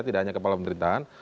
tidak hanya kepala pemerintahan